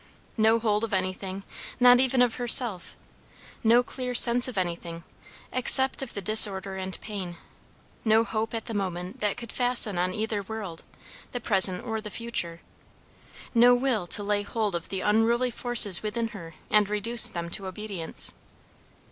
No hold of anything, not even of herself; no clear sense of anything, except of the disorder and pain; no hope at the moment that could fasten on either world, the present or the future; no will to lay hold of the unruly forces within her and reduce them to obedience.